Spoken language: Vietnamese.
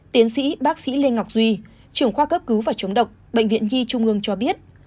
tiến sĩ bác sĩ lê ngọc duy trưởng khoa cấp cứu và chống độc bệnh viện nhi trung ương cho biết